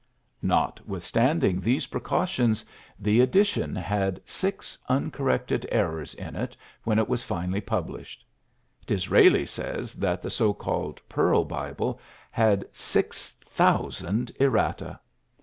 Notwithstanding these precautions the edition had six uncorrected errors in it when it was finally published. Disraeli says that the so called Pearl Bible had six thousand errata!